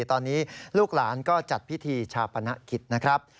ตอนนี้ลูกหลานก็จัดพิธีชาปนกิจนะครับ